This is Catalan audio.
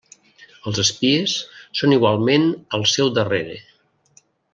Els espies són igualment al seu darrere.